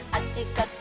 こっち！